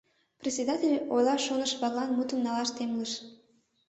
Председатель ойлаш шонышо-влаклан мутым налаш темлыш.